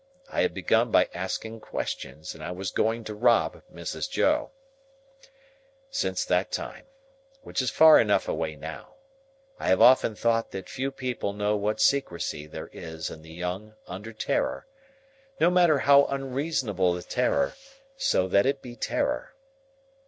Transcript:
I had begun by asking questions, and I was going to rob Mrs. Joe. Since that time, which is far enough away now, I have often thought that few people know what secrecy there is in the young under terror. No matter how unreasonable the terror, so that it be terror.